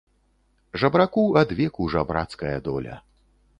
Жабраку адвеку жабрацкая доля.